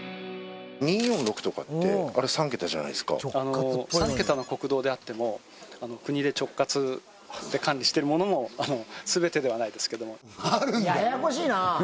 ２４６とかってあれ３桁じゃないですか３桁の国道であっても国で直轄で管理してるものも全てではないですけどもあるんだややこしいな！